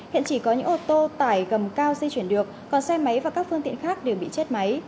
hiện chỉ có những ô tô tải gầm cao di chuyển được còn xe máy và các phương tiện khác đều bị chết máy